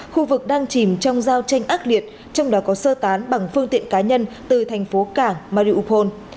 khu vực đang chìm trong giao tranh ác liệt trong đó có sơ tán bằng phương tiện cá nhân từ thành phố cảng maripol